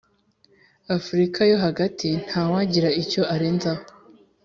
afurika yo hagati.» nta wagira icyo arenzaho!